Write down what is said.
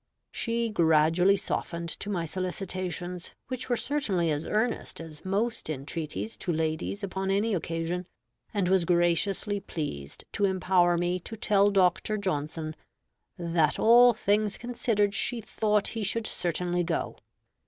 She gradually softened to my solicitations, which were certainly as earnest as most entreaties to ladies upon any occasion, and was graciously pleased to empower me to tell Dr. Johnson "that, all things considered, she thought he should certainly go."